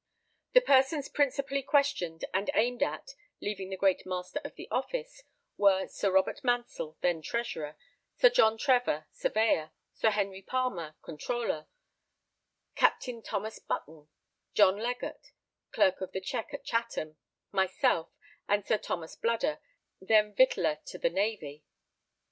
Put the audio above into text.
The persons principally questioned and aimed at (leaving the great master of the office) were Sir Robert Mansell, then Treasurer, Sir John Trevor, Surveyor, Sir Henry Palmer, Comptroller, Captain Thomas Button, John Legatt, Clerk of the Check at Chatham, myself, and Sir Thomas Bludder, then Victualler to the Navy.